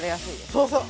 そうそう。